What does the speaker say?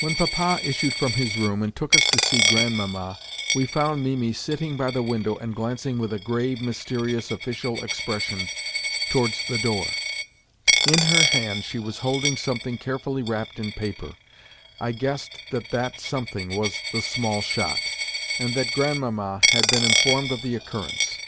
When Papa issued from his room and took us to see Grandmamma we found Mimi sitting by the window and glancing with a grave, mysterious, official expression towards the door. In her hand she was holding something carefully wrapped in paper. I guessed that that something was the small shot, and that Grandmamma had been informed of the occurrence.